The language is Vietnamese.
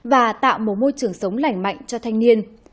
và tạo một môi trường sống lành mạnh cho thanh niên